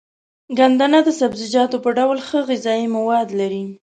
ګندنه د سبزيجاتو په ډول ښه غذايي مواد لري.